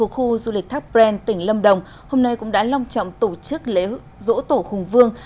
khu du lịch thác bren tỉnh lâm đồng hôm nay cũng đã long trọng tổ chức lễ dỗ tổ hùng vương